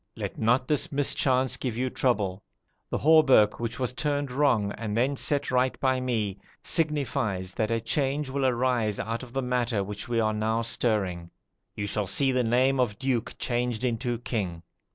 Let not this mischance give you trouble. The hauberk which was turned wrong, and then set right by me, signifies that a change will arise out of the matter which we are now stirring. You shall see the name of duke changed into king.